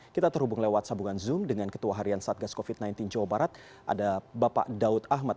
kita terhubung lewat sambungan zoom dengan ketua harian satgas covid sembilan belas jawa barat ada bapak daud ahmad